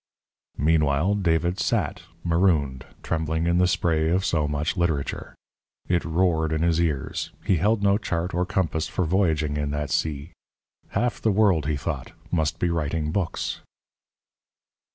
Meanwhile, David sat, marooned, trembling in the spray of so much literature. It roared in his ears. He held no chart or compass for voyaging in that sea. Half the world, he thought, must be writing books.